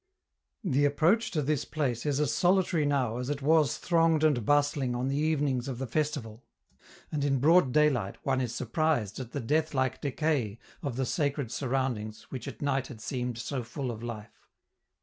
The approach to this place is as solitary now as it was thronged and bustling on the evenings of the festival; and in broad daylight one is surprised at the deathlike decay of the sacred surroundings which at night had seemed so full of life.